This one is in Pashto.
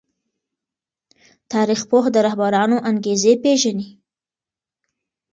تاريخ پوه د رهبرانو انګېزې پېژني.